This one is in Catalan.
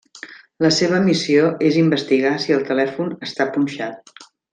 La seva missió és investigar si el telèfon està punxat.